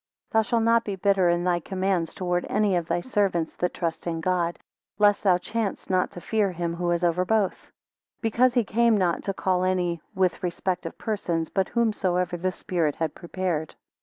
15 Thou shalt not be bitter in thy commands towards any of thy servants that trust in God; lest thou chance not to fear him who is over both; because he came not to call any with respect of persons, but whomsoever the spirit had prepared.